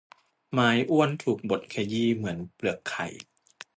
ไม้อ้วนถูกบดขยี้เหมือนเปลือกไข่